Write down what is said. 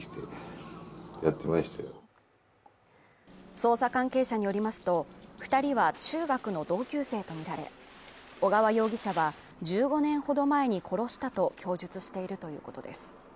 捜査関係者によりますと２人は中学の同級生とみられ、小川容疑者は１５年ほど前に殺したと供述しているということです。